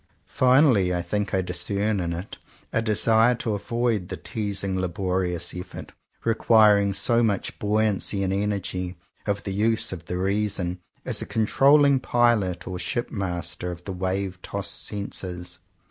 Finally I think I discern in it a desire to avoid the teasing laborious effort, re quiring so much buoyancy and energy, of the use of the reason as a controlling pilot or ship master of the wave tossed senses.